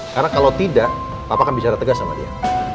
karena kalau tidak papa akan bicara tegas sama dia